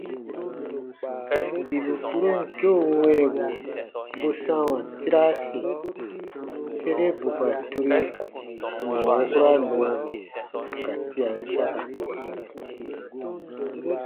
Bibu kpuron keu wɛ̃ɛbu bu sãawa tiraasi sere bù ka turi wɔ̃ɔ wukura nɔɔbu ka tian saka.